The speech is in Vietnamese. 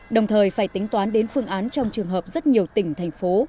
đồng thời phải tính toán đến phương án trong trường hợp rất nhiều tỉnh thành phố